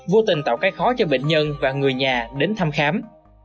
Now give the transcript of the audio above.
vô tình tạo cái khó cho bệnh nhân và người nhà đến thăm khám